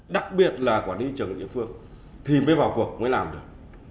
đặc biệt là quản lý trường ở địa phương thì mới vào cuộc mới làm được